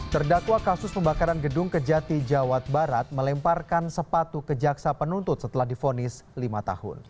terdakwa kasus pembakaran gedung kejati jawa barat melemparkan sepatu ke jaksa penuntut setelah difonis lima tahun